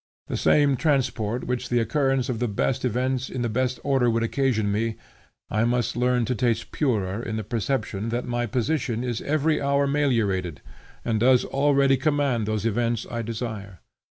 The same transport which the occurrence of the best events in the best order would occasion me, I must learn to taste purer in the perception that my position is every hour meliorated, and does already command those events I desire.